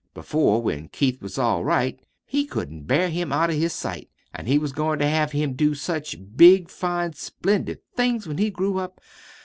Before, when Keith was all right, he couldn't bear him out of his sight, an' he was goin' to have him do such big, fine, splendid things when he grew up.